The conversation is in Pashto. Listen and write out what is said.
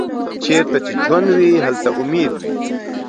چیرته چې ژوند وي، هلته امید وي.